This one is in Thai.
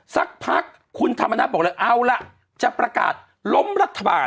สักพักคุณธรรมนัฐบอกเลยเอาล่ะจะประกาศล้มรัฐบาล